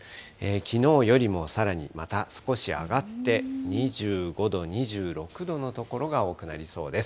きのうよりもさらにまた少し上がって、２５度、２６度の所が多くなりそうです。